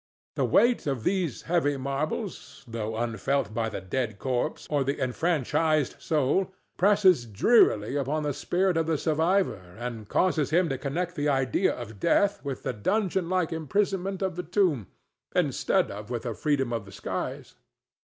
The weight of these heavy marbles, though unfelt by the dead corpse or the enfranchised soul, presses drearily upon the spirit of the survivor and causes him to connect the idea of death with the dungeon like imprisonment of the tomb, instead of with the freedom of the skies.